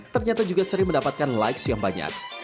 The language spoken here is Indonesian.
ternyata juga sering mendapatkan likes yang banyak